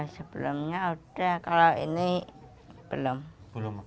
sebelumnya sudah kalau ini belum